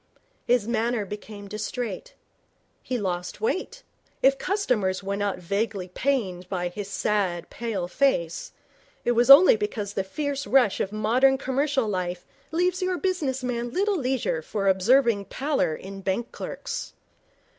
His manner became distrait. He lost weight. If customers were not vaguely pained by his sad, pale face, it was only because the fierce rush of modern commercial life leaves your business man little leisure for observing pallor in bank clerks.